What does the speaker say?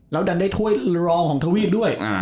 แล้วดันได้ถ้วยรองของทวีปด้วย